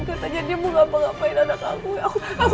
katanya dia mau ngapa ngapain anak aku ya